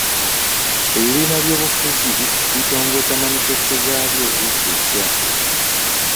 Ebibiina by'obufuzi bitongoza manifesito zaabyo wiiki ejja.